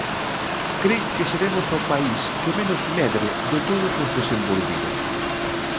Cre que seremos o país que menos medre de todos os desenvolvidos.